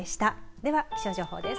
では気象情報です。